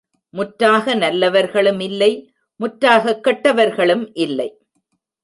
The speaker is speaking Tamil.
முற்றாக நல்லவர்களும் இல்லை முற்றாக கெட்டவர்களும் இல்லை.